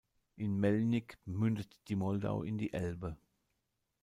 In Mělník mündet die Moldau in die Elbe.